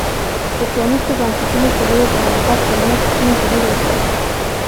د پرانیستو بنسټونو په لور د حرکت پر مټ چین ظهور وکړ.